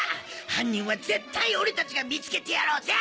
犯人は絶対俺たちが見つけてやろうぜ！